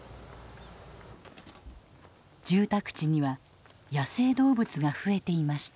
住宅地には野生動物がふえていました。